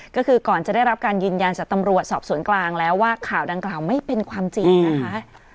ก็คือก่อนจะได้รับการยืนยันจากตำรวจสอบสวนกลางแล้วว่าข่าวดังกล่าวไม่เป็นความจริงนะคะ